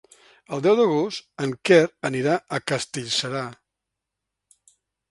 El deu d'agost en Quer anirà a Castellserà.